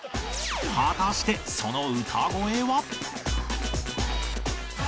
果たしてその歌声は？